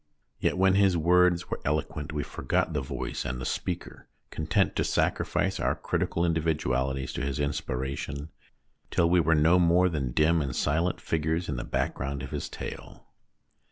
Yet when his words were eloquent we forgot the voice and the speaker, content to sacrifice our critical individualities to his inspiration till we were no more than dim and silent figures in the background of his tale.